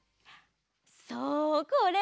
そうこれ！